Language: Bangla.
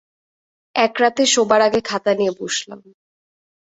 এক রাতে শোবার আগে খাতা নিয়ে বসলাম।